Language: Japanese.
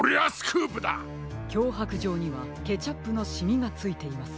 きょうはくじょうにはケチャップのシミがついています。